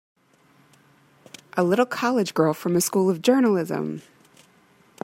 A little college girl from a School of Journalism!